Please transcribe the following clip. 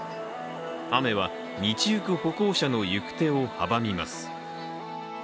雨は、道行く歩行者の行く手を阻みます。